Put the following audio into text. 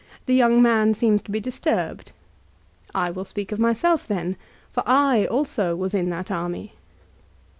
The young man seems to be disturbed. I will speak of myself then. For I also was in that army."